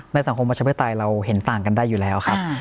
สังคมประชาธิปไตยเราเห็นต่างกันได้อยู่แล้วครับ